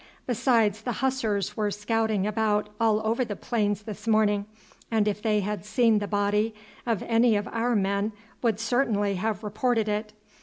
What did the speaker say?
Besides, the Hussars were scouting about all over the plains this morning, and if they had seen the body of any of our men would certainly have reported it.